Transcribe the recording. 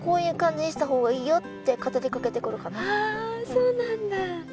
そうなんだ。